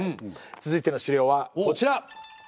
続いての資料はこちら！